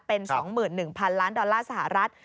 เป็น๒๑๐๐๐ล้านดอลลาร์สหรัฐ